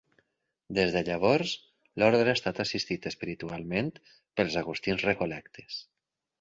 Des de llavors, l'orde ha estat assistit espiritualment pels agustins recol·lectes.